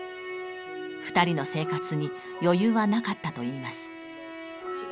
２人の生活に余裕はなかったといいます。